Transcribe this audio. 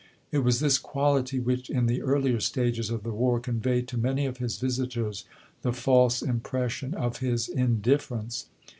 It was this quality which, in the earlier stages of the war, conveyed to many of his visitors the false impression of his indifference.